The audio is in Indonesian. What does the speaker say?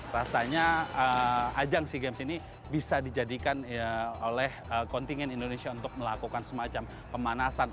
rasanya ajang sea games ini bisa dijadikan oleh kontingen indonesia untuk melakukan semacam pemanasan